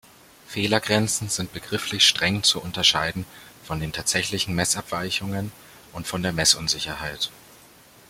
Fehlergrenzen sind begrifflich streng zu unterscheiden von den tatsächlichen Messabweichungen und von der Messunsicherheit.